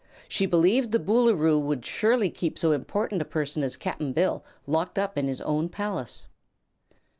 She believed the Boolooroo would surely keep so important a prisoner as Cap'n Bill locked up in his own palace.